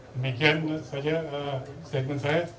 demikian saja statement saya